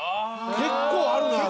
結構あるな貯金。